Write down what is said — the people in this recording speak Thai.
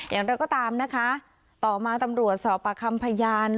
อย่างไรก็ตามนะคะต่อมาตำรวจสอบประคำพยาน